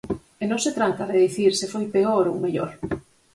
E non se trata de dicir se foi peor ou mellor.